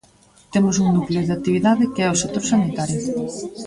Temos un núcleo de actividade que é o sector sanitario.